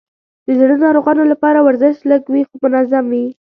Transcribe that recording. د زړه ناروغانو لپاره ورزش لږ وي، خو منظم وي.